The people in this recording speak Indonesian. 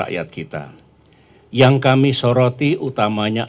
dari kota ini